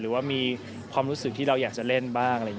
หรือว่ามีความรู้สึกที่เราอยากจะเล่นบ้าง